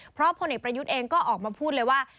เพราะพลเอกประยุทธ์เองก็ออกมาพูดเลยว่า